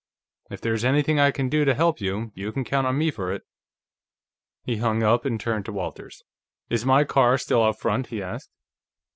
If there's anything I can do to help you, you can count on me for it." He hung up, and turned to Walters. "Is my car still out front?" he asked.